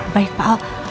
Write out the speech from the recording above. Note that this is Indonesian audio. baik pak al